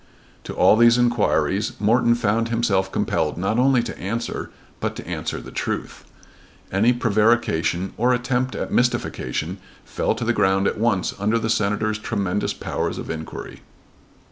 To all these inquiries Morton found himself compelled not only to answer, but to answer the truth. Any prevarication or attempt at mystification fell to the ground at once under the Senator's tremendous powers of inquiry.